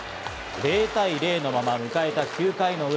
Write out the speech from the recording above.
０対０のまま迎えた９回の裏。